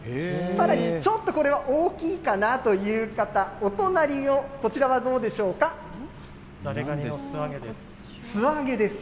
さらに、ちょっとこれは大きいかなという方、お隣を、こちらはどうでしょザリガニの素揚げです。